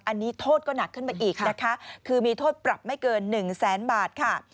อันนี้โทษก็หนักขึ้นมาอีกนะคะคือมีโทษปรับไม่เกิน๑แสนบาทค่ะ